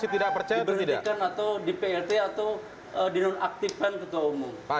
kalau ini kan semata mata diberhentikan atau di plt atau di nonaktifkan ketua umum